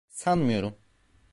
Sanmıyorum.